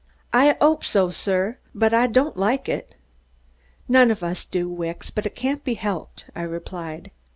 "I 'ope so, sir, but I don't like it." "None of us do, Wicks, but it can't be helped," I replied.